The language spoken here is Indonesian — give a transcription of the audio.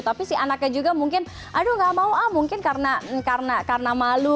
tapi si anaknya juga mungkin aduh gak mau ah mungkin karena malu